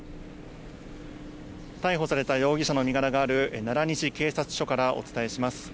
逮捕された容疑者の身柄がある奈良西警察署からお伝えします。